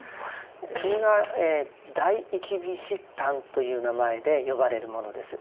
それが「第一義悉檀」という名前で呼ばれるものです。